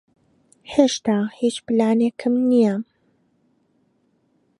ھێشتا ھیچ پلانێکم نییە.